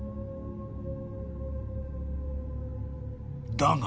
［だが］